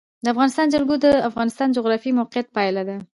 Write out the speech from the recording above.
د افغانستان جلکو د افغانستان د جغرافیایي موقیعت پایله ده.